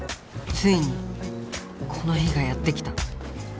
ついにこの日がやって来た。